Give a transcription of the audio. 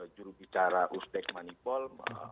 jurubicara usdek manipul